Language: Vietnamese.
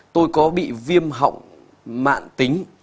tôi có bị viêm họng mạn tính